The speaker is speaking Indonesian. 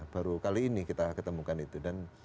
baru kali ini kita ketemukan itu dan